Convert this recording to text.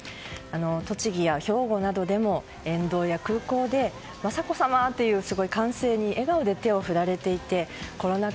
栃木や兵庫などでも沿道や空港で雅子さまという歓声に笑顔で手を振られていてコロナ禍